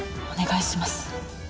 お願いします。